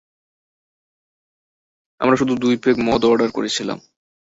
আমরা শুধু দুই পেগ মদ অর্ডার করেছিলাম।